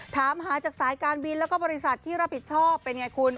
ถามหาจากสายการบินแล้วก็บริษัทที่รับผิดชอบเป็นไงคุณ